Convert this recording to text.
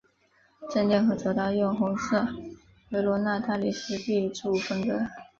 正殿和走道用红色维罗纳大理石壁柱分隔。